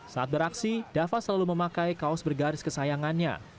saat beraksi dava selalu memakai kaos bergaris kesayangannya